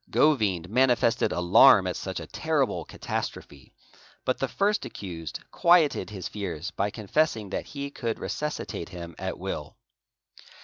Govind manifested alarm at such a terrible catastrophe, but the first accused quieted his fears by confessing that he could resuscitate him at will.